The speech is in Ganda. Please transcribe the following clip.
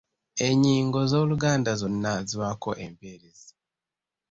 Ennyingo z’Oluganda zonna zibaako empeerezi.